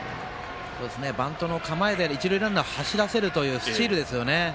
バントの構えで一塁ランナー走らせるというスチールですよね。